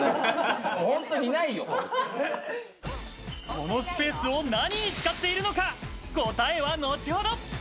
このスペースを何に使っているのか、答えは後ほど。